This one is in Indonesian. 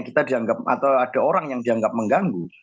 kita dianggap atau ada orang yang dianggap mengganggu